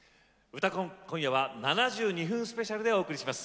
「うたコン」今夜は７２分スペシャルでお送りします。